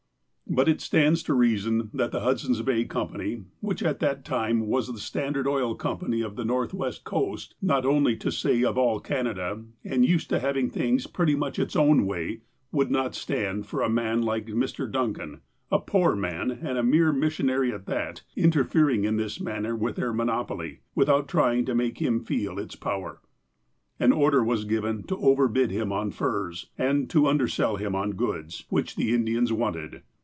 But it stands to reason that the Hudson's Bay Company, which, at that time, was the Standard Oil Company of the Northwest coast, not to say of all Canada, and used to having things pretty much its own waj^, would not stand for a man like Mr. Duncan, a poor man, and a mere mis sionary at that, interfering in this manner with their monopoly, without trying to make him feel its power. An order was given to overbid him on furs, and to undersell him on goods, which the Indians wanted.